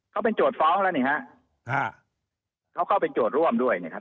เขาเป็นโจทย์ฟ้องแล้วนี่ฮะเขาก็เป็นโจทย์ร่วมด้วยนะครับ